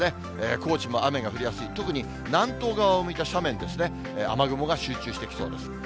高知も雨が降りやすい、特に南東側を向いた斜面ですね、雨雲が集中してきそうです。